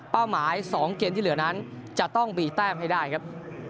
หมาย๒เกมที่เหลือนั้นจะต้องมีแต้มให้ได้ครับ